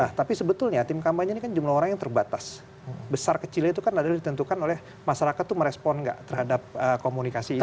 nah tapi sebetulnya tim kampanye ini kan jumlah orang yang terbatas besar kecilnya itu kan adalah ditentukan oleh masyarakat itu merespon nggak terhadap komunikasi itu